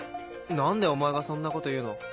何でお前がそんなこと言うの？